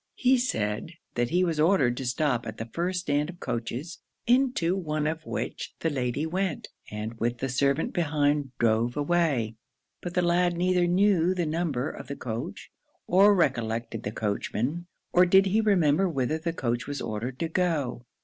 He said, that he was ordered to stop at the first stand of coaches, into one of which the lady went, and, with the servant behind, drove away; but the lad neither knew the number of the coach, or recollected the coachman, or did he remember whither the coach was ordered to go.